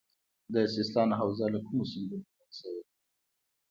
د سیستان حوزه له کومو سیندونو جوړه شوې؟